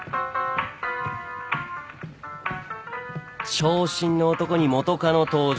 傷心の男に元カノ登場。